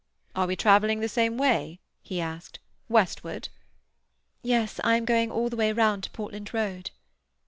"Are we travelling the same way?" he asked. "Westward?" "Yes. I am going all the way round to Portland Road."